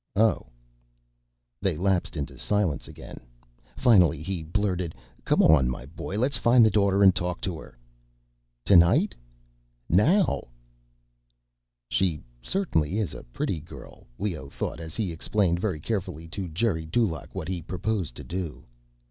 "Oh." They lapsed into silence again. Finally he blurted, "Come on, my boy, let's find the daughter and talk to her." "Tonight?" "Now." She certainly is a pretty girl, Leoh thought as he explained very carefully to Geri Dulaq what he proposed to do.